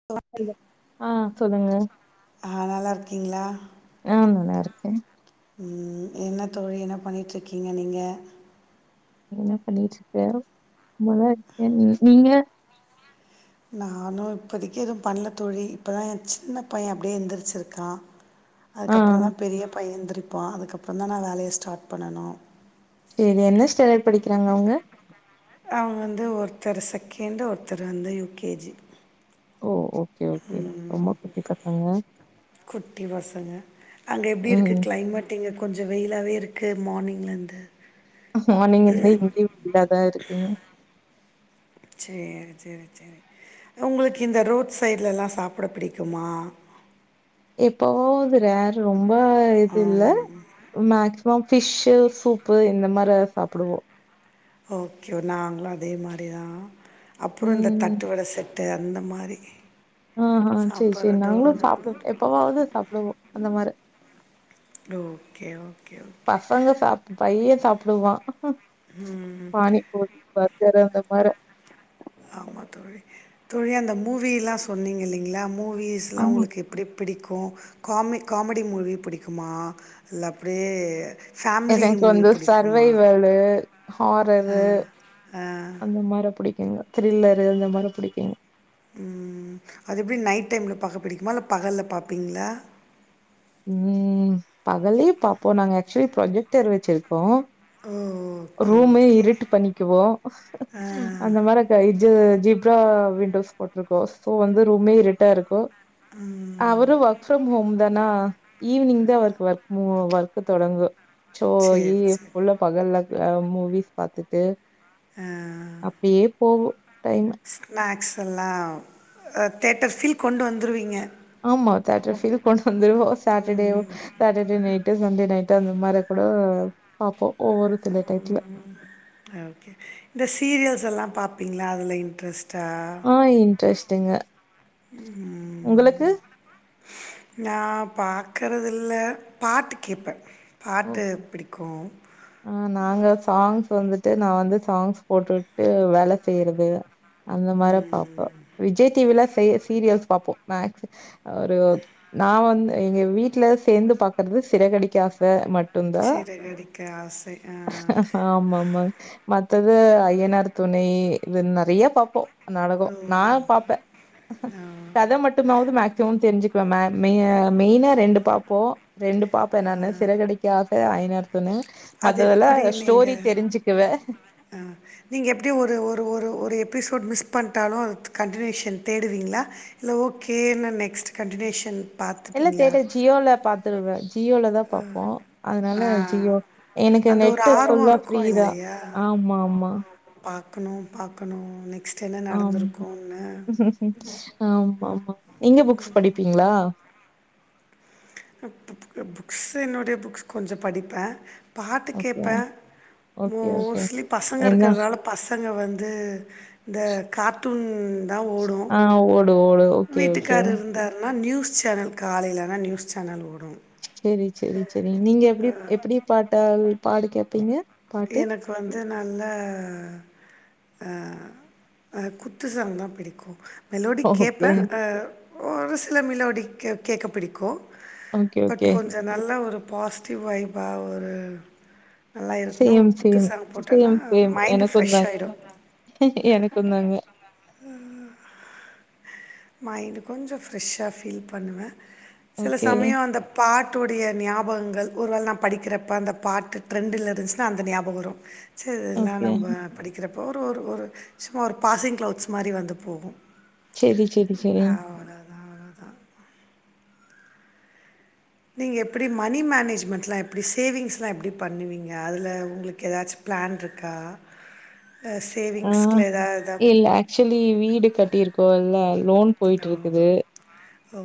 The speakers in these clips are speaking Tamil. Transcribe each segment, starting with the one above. ஹலோ ஹலோ ஆ சொல்லுங்க ஆ நல்லா இருக்கீங்ளா ஆ நல்லா இருக்கே ம் என்ன தோழி என்ன பண்ணிட் இருக்கீங்க நீங்க என்ன பண்ணிட்டு இருக்கே சும்மா தா இருக்க நீங்க நானு இப்போதிக்கு எதுவு பண்ணல தோழி இப்பதா ஏ சின்ன பைய அப்டே எந்திரிச்சிருக்கா ஆ அதுக்கப்றோ தா பெரிய பைய எந்திரிப்பா அதுக்கப்றோ தா நா வேலைய ஸ்டார்ட் பண்ணனு சேரி என்ன ஸ்டாண்டர்ட் படிக்கிறாங்க அவுங்க அவுங்க வந்து ஒருத்தர் செகண்டு, ஒருத்தர் வந்து யு கே ஜி ஓ ஓ கம் குட்டி பசங்க அங்க எப்டி இருக்கு ம் கிளைமட் இங்க கொஞ்ச வெயிலாவே இருக்கு மார்னிங்ல இருந்து மார்னிங்ல இருந்து இங்கேயு வெயிலாதா இருக்குங்க சேரி சேரி சேரி உங்களுக்கு இந்த ரோட் சைட்லலா சாப்ட பிடிக்குமா எப்பவோது ரேர்ரு ரொம்ப இது இல்ல மேக்சிமம் ஃபிஷ்ஸு, சூப்பு இந்த மாரிலா சாப்டுவோ ஓகே நாங்களு அதே மாரி தா அப்ரோ இந்த ம் தட்டுவட செட் புட்டு அந்த மாரி ம்ஹூ சேரி சேரி நாங்ளு சாப்டு எப்பவாவது சாப்டுவோ அந்த மாரி ஓகே ஓகே ஓகே எ பையே சாப்டுவா ம் பானிப்பூரி பர்கர் அந்த மார ஆமா தோழி தோழி அந்த மூவில்லா சொன்னீங்க இல்லைங்களா மூவிஸ்ல்லா ஆமா உங்களுக்கு எப்டி பிடிக்கு காமி காமெடி மூவி பிடிக்குமா இல்ல அப்டியே எனக்கு வந்து சர்வேய்வேலு ஹாரரு ஆ, அந்த மார புடிக் த்ரில்லரு இந்த மாரி புடிக்குங் ம் அது எப்டி நைட் டைம்ல பாக்க பிடிக்குமா இல்ல பகல்ல பாப்பீங்ளா ம் பகலேயு பாப்போ நாங்க ஆக்சுவலி ப்ரொஜெக்டர் வச்சிருக்கோ ஓகே ரூமே ஓகே இருட்டு பண்ணிக்குவோ ஆ அந்த மார இந்த இது ஜீப்ரா விண்டோஸ் போட்டிருக்கோ சோ வந்து ரூமே இருட்டா இருக்கு. ம் அவரு ஒர்க் ஃப்ரம் ஹோம் தானா ஈவினிங் தா அவர்க்கு ஒர்க் மு ஒர்க் தொடங்கு சோ சரி ஈ சரி புல்லா பகல்ல அ மூவிஸ் பாத்துட்டு ஆ அப்டியே போகு டைமு ஸ்நாக்ஸ் எல்லா தேட்டர் பீல் கொண்டு வந்துருவீங்க ஆமா தேட்டர்பீல் கொண்டு வந்தருவோ Saturday Saturday night, Sunday night அந்த மாரி கூட பாப்போ ஒவ்வொரு சில டைத்துல. ம் ஓகே இந்த சீரியல்ஸ் எல்லா பாப்பீங்களா அதுல இன்ட்ரெஸ்ட் ஆ இன்ட்ரெஸ்ட்டுங்க உங்குளுக்கு நா பாக்குறது இல்ல பாட்டு கேப்பே பாட்டு ஓகே. பிடிக்கு ஆ நாங்க சாங்ஸ் வந்துட்டு நா வந்து சாங்ஸ் போட்டுவிட்டு வேல செய்யறது. அந்த மாரி பாப்ப விஜய் டிவில சீரியல்ஸ் பாப்போ மேக் ஒரு நா வந்து எங்க வீட்ல சேந்து பாக்குறது சிறகடிக்க ஆஸ் [unintelligible] மட்டுதா சிறகடிக்க ஆசை ஆ, ஆமா ஆமாங்க மத்தது ஐயனார் துணை இது நெறைய பாப்போ நாடகோ நா பாப்பே கத மட்டுமாவது மேக்சிமம் தெரிஞ்சுக்குவே மெய் மெயினா ரெண்டு பாப்போ. ரெண்டு பாப்பே நானு சிறகடிக்க ஆச அயனார் துணை அது மத்ததல்லா ஸ்டோரி தெரிஞ்சுக்குவே ஆ நீங்க எப்டி ஒரு ஒரு ஒரு ஒரு எபிசோட் மிஸ் பண்ட்டாலு அது கன்டினியூஷன் தேடுவீங்களா இல்ல ஓகே நா நெக்ஸ்ட் கண்டினியூஷன் இல்ல பார்த்துப்பீங்களா தேட ஜியோல பாத்துருவே ஜியோல தா பாப்போ அதனால ஆ ஜியோ எனக்கு அந்த ஒரு நெட்டு ஆர்வோ ஃபுல்லா ஃப்ரீதா ஆமா ஆமா பாக்கணும் பாக்கணும் நெக்ஸ்ட் என்ன நடந்துருக்கோனு ஆமா ஆமா நீங்க புக்ஸ் படிப்பீங்களா புடுக்கு புக்ஸ் என்னுடைய புக்ஸ் கொஞ்சம் படிப்பேன். பாட்டு ஓகே. கேட்பேன் ஓகே, ஓகே. மோஸ்ட்லி பசங்க என்ன இருக்கிறதால பசங்க வந்து இந்த கார்ட்டூன் தான் ஓடும் ஆ ஓடு, ஓடு. Okay, okay. வீட்டுக்கார் இருந்தா ஆனா நியூஸ் சேனல் காலையிலானா நியூஸ் சேனல் ஓடும் சேரி சேரி சேரி நீங்க எப்டி எப்டி பாட்டா பாடு கேப்பீங்க பாட்டு? எனக்கு வந்து நல்ல ஆ அ குத்துசாங் தான் புடிக்கும் மெலோடி ஓகே. கேட்பேன் ஆ ஒரு சில மெலோடி கேட்க புடிக்கும். Okay, but okay. கொஞ்ச நல்ல ஒரு பாசிட்டிவ் வைபா ஒரு line same same same same mind fresh எனக்குந்தாங்க ஆகிடும் எனக்குந்தாங்க மைண்டு் கொஞ்சம் ஃப்ரெஷ்ஷாக ஃபீல் பண்ணுவேன் சில ஓகே, சமயோ அந்த பாட்டோடைய ஞாபகங்கள் ஒருவேல நா படிக்கிறப்ப அந்த பாட்டு ட்ரெண்டில் இருந்து தா அந்த ஞாபகம் வரும் சேரி இதல்லாம் ஓகே. நம்ம படிக்கிறப்போ ஒரு ஒரு ஒரு சும்மா ஒரு பாசிங் கிளௌத்ஸ் மாரி வந்து போகும் சேரி சேரி சேரி அவ்வளோதான் அவ்வளோதான் நீங்க எப்டி மணி மேனேஜ்மெண்ட்லாம் எப்டி சேவிங்ஸ்லாம் எப்டி பண்ணுவீங்க அதுல உங்களுக்கு ஏதாச்சும் பிளான் இருக்கா அ ஆ சேவிங்ஸ்கில் எதாவதா இல்ல ஆக்சுவலி வீடு கட்டியிருக்கோம் இல்ல லோன் போய்ட்டு ஓ இருக்குது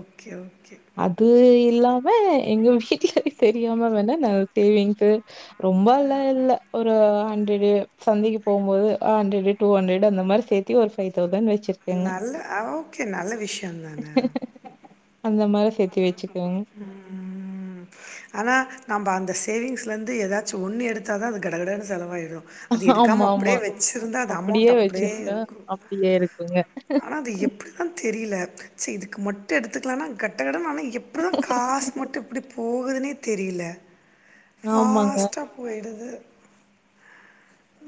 ஓகே ஓகே அது இல்லாம எங்க வீட்டுகாருக்கு தெரியாம வேணா நா சேவிங்ஸ்ஸு ரொம்பல்லாம் இல்ல ஒரு ஹண்ட்ரடு சந்தைக்கு போகும்போது ஹன்ட்ரடு டூ ஹன்ட்ரடு அந்த மாரி சேத்து ஒரு பைவ் தௌசண்ட் வச்சிரு நல்ல ஓகே நல்ல விஷயம் தான அந்த மார் ம் ம் ம் ஆனா நம்ப அந்த சேவிங்ஸ்லேந்து ஏதாச்சும் ஒன்னு எடுத்தா தான் அது கடகடன்னு செலவாயிரும் அது ஆமா, எடுக்காம ஆமா. அப்டியே வச்சிருந்தா அது அப்படியே அமௌண்ட் அப்டியே வச்சிருந்தா இருக்கு அப்படியே இருக்குங்க. ஆனா அது எப்டி அதா தெரில சி இதுக்கு மட்டும் எடுத்துக்கலனா கெட்ட கட ஆனா எப்டிதான் காசு மட்டும் எப்டி போகுதுனே தெரில ஆமாங்க போய்டுது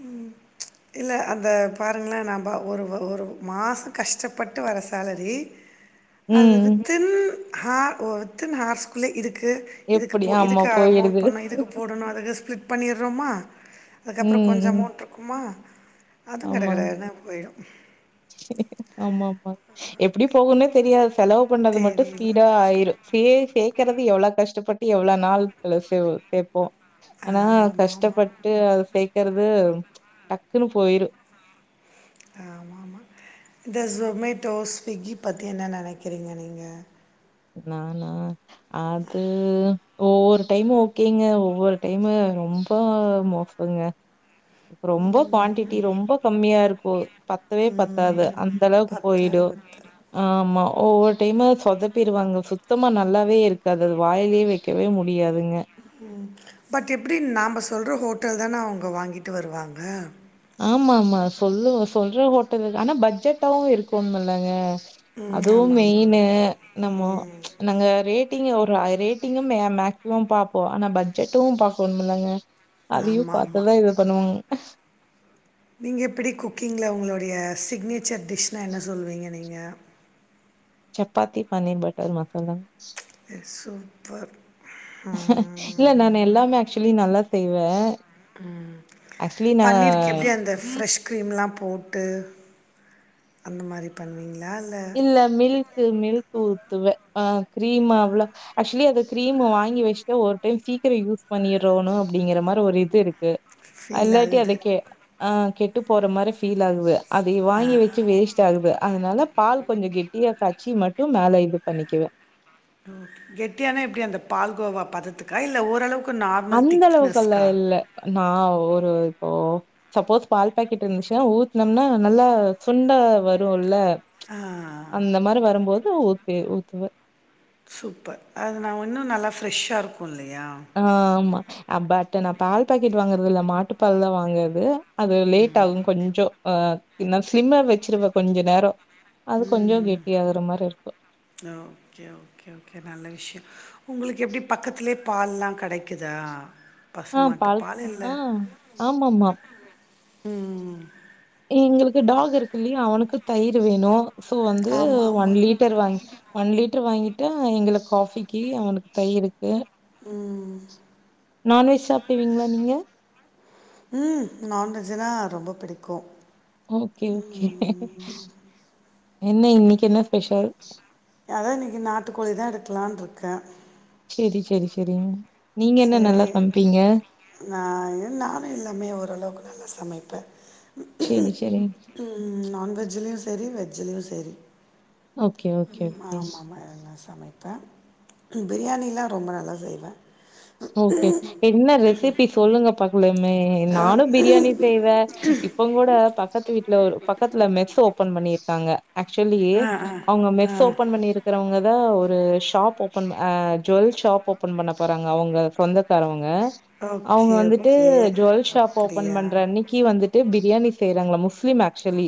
ம் இல்ல அந்த பாருங்களன் நான் பா ஒரு ஒரு மாசோ கஷ்டப்பட்டு வர சேலரி அது ம். வித்தின் ஹார் ஓ வித் தின் ஹார்ஸ் குள்ள இருக்கு இதுக்கு எப்படி? போ ஆமா இதுக்கு அமௌண்ட் போயிடுது. பண்ணணு இதுக்கு போடணும் அதுக்கு ஸ்பிளிட் பண்ணடுறோமா ம் ம் க்குமா அதுவும் கடக கடனு போய்ரும் ஆமா ஆமா எப்டி போகும்னே தெரியாது செலவு பண்ணது மட்டும் தெரியல. ஸ்பீடா ஆயிரும் சே சேர்க்கறது எவ்ளோ கஷ்டப்பட்டு எவ்ளோ நாள் குள்ள சே சேப்போம் ஆனா ஆமாமா, கஷ்டப்பட்டு அத சேக்கறது டக்குன்னு போயிரும் [inaudible] ஆமாமா, இந்த ஜொமேட்டோ ஸ்விக்கி பத்தி என்ன நெனைக்கிறீங்க நீங்க நானா அது ஒவ்வொரு டைமு ஓகேங்க ஒவ்வொரு டைமு ரொம்ப மோ வருங்க ம் ரொம்ப குவாடிட்டி ரொம்ப கம்மியா இருக்கு பத்துவே பத்தாது அந்தளவுக்கு போயிடு ஆமா ஒவ்வொரு டைமு சொதப் பிருவாங்க சுத்தமா நல்லாவே இருக்காது அது வாயிலயே வைக்கவே முடியாதுங்க ம் பட் எப்டி நாம்ப சொல்ற ஹோட்டல்தானா அவங்க வாங்கிட்டு வருவாங்க ஆமா ஆமா சொல்லுவ சொல்ற ஹோட்டலுக்கு ஆனா பட்ஜெட்டாவு இருக்கும் இல்லங்க ம் அதுவு ஆமா ஆமா மெயினு நம்ம நாங்க ரேட்டிங்க்கு ஒரு அ ரேட்டிங்கு மே மேக்சிமம் பாப்போ ஆனா பட்ஜெட்டு பாக்கணும்ல்லாங்க அதையு ஆமா ஆமா பாத்துதா இது பண்ணுவாங் நீங்க எப்படி குக்கிங்ல உங்களுடைய சிக்னேச்சர் டிஷ்னா என்ன சொல்லுவீங்க நீங்க சப்பாத்தி பன்னீர் பட்டர் மசாலா ஏ சூப்பர் இல்ல நானு ம். எல்லாமே ஆக்சுவலி நல்லா செய்வே ஆக்சுவலி நா க்ரீம்லா போட்டு அந்த மாரி பண்ணுவீங்ளா இல்ல மில்க்கு மில்க் ஊத்துவே ஆ கிரீமா அவ்ளோ அக்சுவலி அத க்ரீம்ம வாங்கி வச்சுட்டு ஒரு டைம் சீக்கிரோ யூஸ் பண்ணிரோனு அப்டிங்கற மாரி ஒரு இது இருக் கு அ ஃபீல் இல்லாட்டி அத ஆகுது. கெ ஆ கெட்டு போற மாரி ஃபீல் ஆகுது அதை வாங்கி வச்சு வேஸ்ட் ஆகுது அதனால பால் கொஞ்சோ கெட்டியா காய்ச்சி மட்டு மேல இது பண்ணிக்குவே ஓ கெட்டியான எப்டி அந்த பால்க்கோவா பதத்துக்கா இல்ல ஓரளவுக்கு நார்மல் அந்த அளவுக்கெல்லா திக்னஸ்க்கா? இல்ல நா ஒரு இப்போ சப்போஸ் பால் பாக்கெட் இருந்துச்சுன்னா ஊத்துனம்னா நல்லா சுண்ட வருல்ல ஆ அந்த மாரி வரும்போது ஊத்தி ஊத்துவே சூப்பர் அது நா இன்னு நல்லா ஃப்ரெஷ்ஷா இருக்கு இல்லையா ஆ ஆமா பட் நா பால் பாக்கெட் வாங்கறது இல்ல மாட்டுப்பால்தா வாங்கறது அது லேட் ஆகு கொஞ்சோ ஆ நா சிம்ல வச்சிருவே கொஞ்ச நேரோ அது கொஞ்சோ கெட்டி ஆகுற மாரி இருக்கு ஓகே ஓகே ஓகே நல்ல விஷயோ உங்களுக்கு எப்டி பக்கத்திலே பால்லா கடைக்குதா ஆ பால் ஆ ஆமாமா ம் எங்களுக்கு டாக் இருக்கு இல்லையா அவனுக்கு தயிர் வேணு சோ வந்து ஆமாமா. ஒன் லிட்டர் வாங்கி ஒன் லிட்டரு வாங்கிட்டா எங்களுக்கு காஃபிக்கு அவனுக்கு தயிருக்கு நான்வெஜ் சாப்டுவீங்களா நீங்க ம் நான்வெஜ்னா ரொம்ப பிடிக்கு ஓகே ஓகே, என்ன இன்னைக்கி என்ன ஸ்பெஷல் அதா இன்னைக்கி நாட்டுக்கோழிதா எடுக்கலான்ருக்கே சேரி சேரி சேரிங் சேரி நா, ம், நானு எல்லாமே ஓரளவுக்கு நல்லா சமைப்பே ச்செரி ஷெரி உ நான்வெஜ்ஜுலியு செரி வெஜ்ஜுலியு செரி ஓகே, ஓகே, ம் ஓகே. ஆமமா எல்லா சமைப்பே கு பிரியாணிலா ரொம்ப நல்லா செய்வே ஓகே என்ன ரெசிபி சொல்லுங்க பால் புலம்மே நானு பிரியாணி செய்வே இப்பங் கூட பக்கத் வீட் ட்ல ஒரு பக்கத்துல மெஸ் ஓபன் பண்ணிர்க்காங்க ஆக்ஷொலி ஆஹா. அவ்ங்க ஆ. மெஸ் ஆ ஓபன் பண்ணிரு க்கறவங்கதா ஒரு ஷாப் ஓப்பன் ஆ ஜுவல் ஷாப் ஓபன் பண்ணப்ப றாங்க அவ்ங்க சொந்தக்காரவங்க அவ்ங் ஓகே வந்துட்டு ஓகே ஜுவல் ஷாப் ஓபன் அப்படியா பண்ற அன்னிக் கி வந்துட்டு பிரியாணி செய்றாங்ளா முஸ்லிம் அக்ஷ்வலி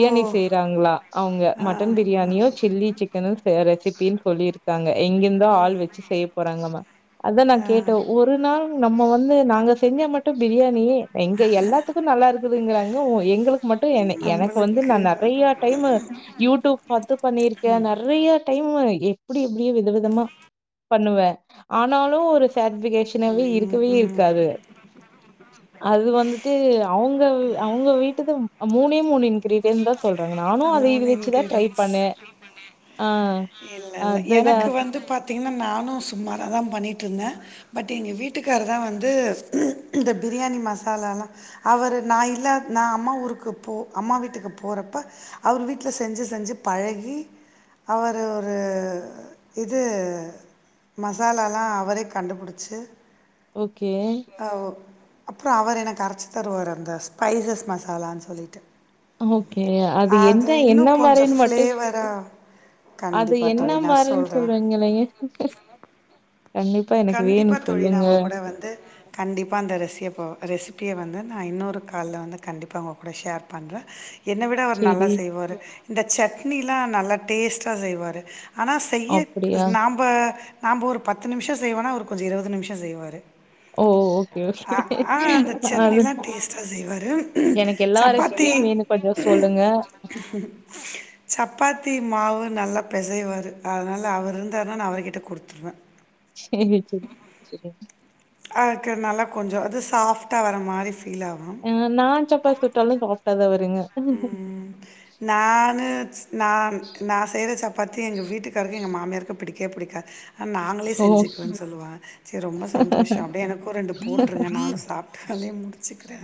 ஓ செய்றாங்ளா அவ்ங்க ஆ, மட்டன் பிரியாணியோ சில்லி சிக் கேனல்ஸு ரெசிபின் சொல்லிர்க்காங்க எங்கிந்தோ ஆள் வெச்சி செய்ய போறாங்ளம்மா அத நா கேட்டே ஒரு நாள் நம்ம வந்து நாங்க செஞ்சா மட்டு பிரியாணி எங்க எல்லாத்துக்கு நல்லார்க்குதுங்கறாங்க வூ எங்களுக் மட்டு எனே எனக் வந்து நா நம்மளுக்கு நறையா டைமு யூடூப் பாத்து பண்ணிர்க்கே நர்ரியா டைம்மு எப்டி இப்டி விதவிதமா பண்ணுவே ஆனாலு ஒரு சாட்டிஃபிகேஷ் ச்சின்னாவே இருக்கவே இருக்காது அது வந்துட்டு அவ்ங்கவ்வு அவ்ங்க வீட்டுதும் அ மூணே மூண் இன்க்றிடியன்ந்தாஸ் சொல்றாங்க நானு அதேயி வச்சுதா ட்ரை பண்ணே இல்லல்ல அதுதா எனக்கு வந்து பாத்தீங்கன்னா நானு சும்மாராதா பண்ணிட்டுருந்தே பட் எங்க வீட்டுக்காரு வந்து இந்த பிரியாணி மசாலாலா அவரு நா இல்லாத் நா அம்மா ஊருக்கு போ அம்மா வீட்டுக்கு போறப்ப அவர் வீட்ல செஞ்சு செஞ்சு பழகி அவரு ஒரு இது மசாலாலா அவரே கண்டுபுடுச்சு ஓகே ஆவோ அப்றோ அவர் எனக் அரச்சி தருவார் அந்த ஸ்பைசஸ் மசாலா சொல்லிட்டு ஹுஓகே அது எந்த என்ன இன்னும் கொஞ்சம் மாரின் மட்டு ஃப்ளேவராக அது கண்டிப்பாக என்ன தோழி நான் மாரின் சொல்கிறேன் சொல்றீங்களேயே கண்டிப் கண்டிப்பா தோழி நா உங்க கூட வந்து கண்டிப்பா அந்த ரெசியப்போ ரெசிப்பிய வந்து நா இன்னொரு கால்ல வந்து கண்டிப்பா உங்க கூட ஷேர் பண்றே என்ன விட அவர் நல்லா சரி. செய்வாரு இந்த சட்னிலா நல்லா டேஸ்ட்டா செய்வாரு ஆனா செய்யக் அப்படியா? நாம்ப நாம்ப் ஒரு பத்து நிம்ஷோ செய்வன்னா அவர் கொஞ்சு இருவது நிம்ஷோ செய்வாரு ஓ! Okay, okay. ஆ ஆ அந்த அது சட்னில்லா டேஸ்ட்டா செய்வாரு எனக்கு எல்லா சப்பாத்தி ரெசிபியும் வேணும் கொஞ்சம் சொல்லுங்க. சப்பாத்தி மாவு நல்லா பிசைவாரு அதனால அவர் இருந்தார்னா நா அவர்கிட்ட குடுத்துருவே ஷேரிச்சுக் செரி ஆ க்கற்னால கொஞ்சு அது சாஃப்ட்டா வர மாரி ஃபீல் ஆகு ஆ நான் சப்பாத்தி சுட்டாலு சாஃப்ட்டாதா வருங்க ம் நானுட்ஸ் நான் நா செய்ற சப் ப்பாத்தேங் எங்க வீட்டுக்காருக்கு எங்க மாமியாருக்கு பிடிக்கே பிடிக்கா ஆ நாங்களே ஓ! செஞ்சிக்வேன் சொல்லுவா ச்சே ரொம்ப சந்தோஷோ அப்டே எனக்கு ரெண்டு போட்ருங்க நாலு சாப்ட்டாலே முடிச்சுக்றே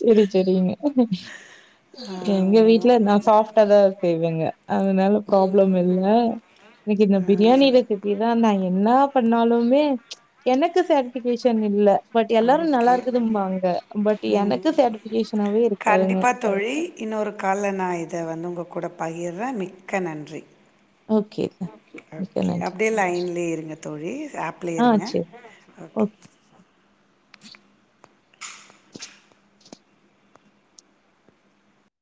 ச்சரி ச்சரிங்க ஆ எங்க வீட்ல நா சாஃப் ட்டதா செய்வேங்க அதனால ப்ராப்ளம் இல்ல நிக்கி இந்த பிரியாணில கு இதான்தா என்னா பண்ணாலுமே எனக்கு சேட்டிக்ஃபியேஷன் இல்ல பட் எல்லாரு ஓகே நல்லாருக்குதும்பாங்க பட் எனக்கு சேட்டிஃபிகேஷனாவே இருக்காதுங்க கண்டிப்பா தோழி இன்னொரு கால்ல நா இத வந்து உங்க கூட பகிர்றே மிக்க நன்றி ஓகே ஓகே மிக்க ஓகே நன்றி அப்டியே லைன்லியே இருங்க தோழி ஆப் ஆ ப்லேயேருங்க செரி ஓகே